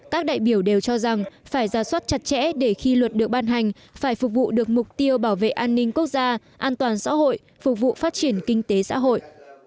các đại biểu đều cho rằng phải ra soát chặt chẽ để khi luật được ban hành phải phục vụ được mục tiêu bảo vệ an ninh quốc gia an toàn xã hội phục vụ phát triển kinh tế xã hội